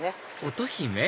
乙姫？